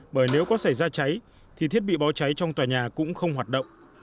bởi nếu có xảy ra cháy thì thiết bị bó cháy trong tòa nhà cũng không hoạt động